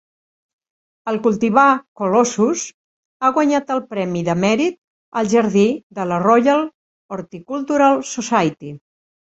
El cultivar "Colossus" ha guanyat el Premi de mèrit al jardí de la Royal Horticultural Society.